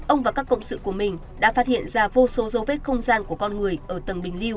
ông và các cộng sự của mình đã phát hiện ra vô số dấu vết không gian của con người ở tầng bình liêu